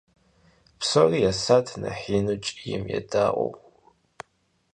Псори есат нэхъ ину кӀийм едаӀуэу.